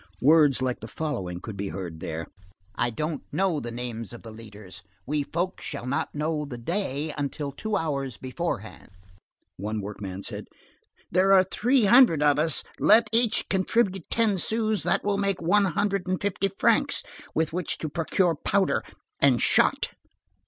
Words like the following could be heard there:— "I don't know the names of the leaders. We folks shall not know the day until two hours beforehand." One workman said: "There are three hundred of us, let each contribute ten sous, that will make one hundred and fifty francs with which to procure powder and shot."